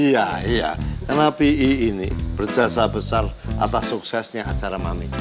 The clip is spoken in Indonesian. iya iya karena pi ini berjasa besar atas suksesnya acara mami